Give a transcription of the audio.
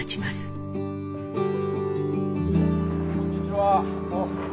あっこんにちは。